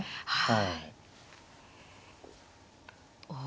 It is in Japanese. はい。